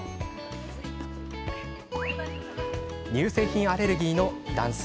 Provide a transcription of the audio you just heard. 乳製品アレルギーの男性。